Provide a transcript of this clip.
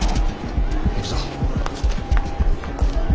行くぞ。